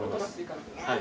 はい。